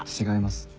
違います。